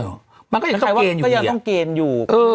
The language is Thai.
ใครว่าก็ยังต้องเกณฑ์อยู่